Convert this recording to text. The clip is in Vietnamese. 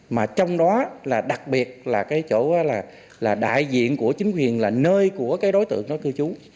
mà trong đó là đặc biệt là cái chỗ là đại diện của chính quyền là nơi của cái đối tượng đó cư trú